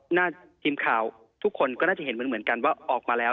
หน้าทีมข่าวทุกคนก็น่าจะเห็นเหมือนกันว่าออกมาแล้ว